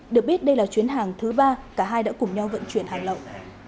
được biết đây là chuyến hàng thứ ba cả hai đã cùng nhau vận chuyển hàng lậu